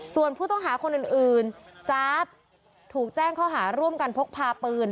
ส่วนผู้ต้องหาคนอื่นจ๊าบถูกแจ้งข้อหาร่วมกันพกพาปืน